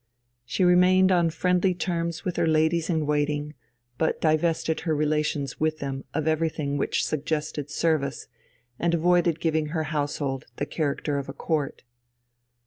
She remained on friendly terms with her ladies in waiting, but divested her relations with them of everything which suggested service, and avoided giving her household the character of a Court.